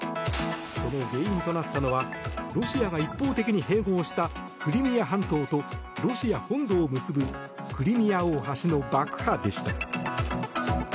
その原因となったのはロシアが一方的に併合したクリミア半島とロシア本土を結ぶクリミア大橋の爆破でした。